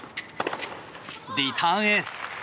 リターンエース。